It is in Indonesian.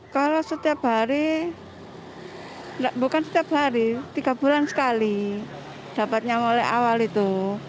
kalau setiap hari bukan setiap hari tiga bulan sekali dapatnya mulai awal itu